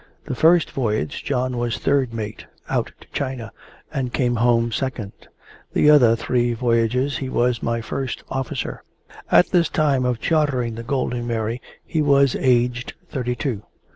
The first voyage John was third mate out to China, and came home second. The other three voyages he was my first officer. At this time of chartering the Golden Mary, he was aged thirty two.